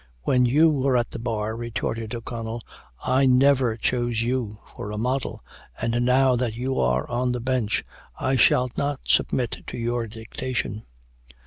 "When you were at the bar," retorted O'Connell, "I never chose you for a model; and now that you are on the Bench, I shall not submit to your dictation."